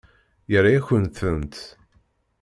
Yerra-yakent-tent.